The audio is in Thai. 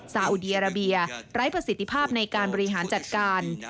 อุดีอาราเบียไร้ประสิทธิภาพในการบริหารจัดการ